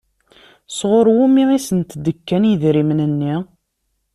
Sɣur wumi i sent-d-kan idrimen-nni?